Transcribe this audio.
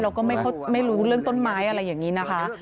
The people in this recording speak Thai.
เราก็ไม่รู้เรื่องต้นไม้อะไรอย่างนี้นะคะ